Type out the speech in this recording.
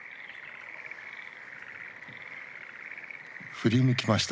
振り向きました。